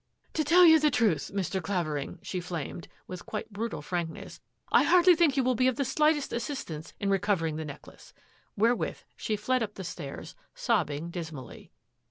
"To tell you the truth, Mr. Clav flamed, with quite brutal frankness, think you will be of the slightest assisi covering the necklace." Wherewith s the stairs, sobbing dismally.